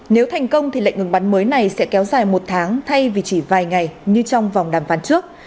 nếu thành công thì lệnh ngừng bắn mới này sẽ kéo dài một tháng thay vì chỉ vài ngày như trong vòng đàm phán trước